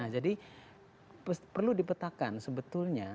nah jadi perlu dipetakan sebetulnya